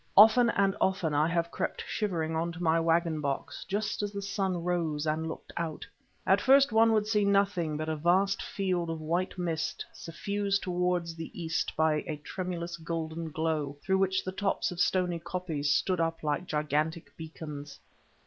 Often and often I have crept shivering on to my waggon box just as the sun rose and looked out. At first one would see nothing but a vast field of white mist suffused towards the east by a tremulous golden glow, through which the tops of stony koppies stood up like gigantic beacons.